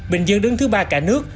bình dương đứng thứ ba cả nước